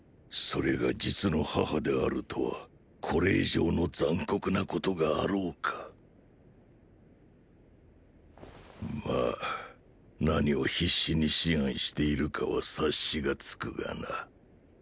それが実の母であるとはこれ以上の残酷なことがあろうかまァ何を必死に思案しているかは察しがつくがな